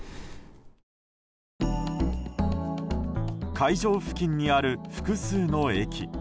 会場付近にある複数の駅。